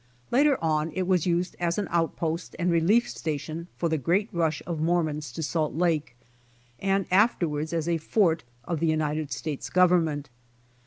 Later on it was used as an outpost and relief station for the great rush of Mormons to Salt Lake, and afterwards as a fort of the United States Government.